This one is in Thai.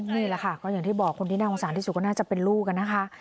นี่แหละค่ะก็อย่างที่บอกคนที่น่าสงสารที่สุดก็น่าจะเป็นลูกนะคะ